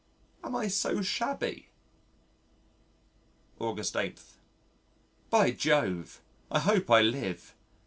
Am I so shabby? August 8. By Jove! I hope I live!